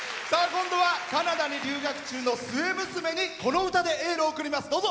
今度はカナダに留学中の末娘にこの歌でエールを送ります。